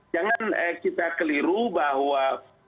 jangan kita keliru bahwa